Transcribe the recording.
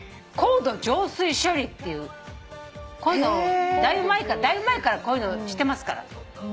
高度浄水処理っていうこういうのだいぶ前からこういうのしてますから。